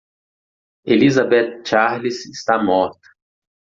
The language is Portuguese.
Elizabeth Charles está morta.